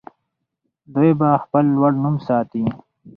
دوی به خپل لوړ نوم ساتي.